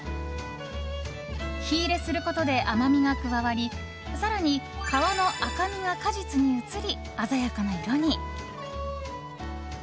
火入れすることで甘みが加わり更に皮の赤みが果実に移り鮮やかな色に。